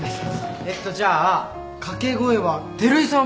えっとじゃあ掛け声は照井さん